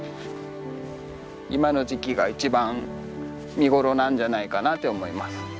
今の時期が一番見頃なんじゃないかなって思います。